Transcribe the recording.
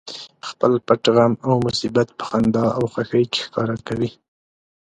خپل پټ غم او مصیبت په خندا او خوښۍ کې ښکاره کوي